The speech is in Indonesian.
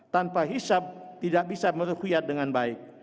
tanpa hisap tidak bisa merukyat dengan baik